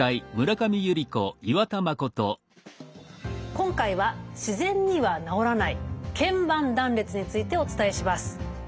今回は自然には治らないけん板断裂についてお伝えします。